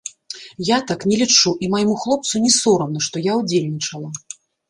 Я так не лічу, і майму хлопцу не сорамна, што я ўдзельнічала.